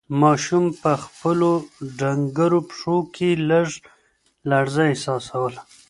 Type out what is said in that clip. ماشوم په خپلو ډنگرو پښو کې لږه لړزه احساسوله.